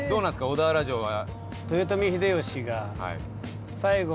小田原城は。